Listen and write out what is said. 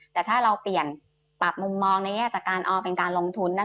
แต่ถ้าเราเปลี่ยนปรับมุมมองในแง่จากการลงทุน